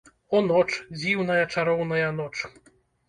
О, ноч, дзіўная, чароўная ноч!